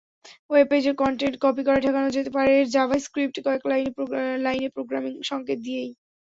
ওয়েবপেজের content copy করা ঠেকানো যেতে পারে জাভাস্ক্রিপ্টে কয়েক লাইনে প্রোগ্রামিং সংকেত দিয়েই।